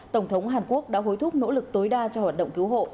tổng thống hàn quốc đã hối thúc nỗ lực tối đa cho hoạt động cứu hộ